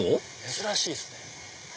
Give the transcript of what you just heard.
珍しいっすね。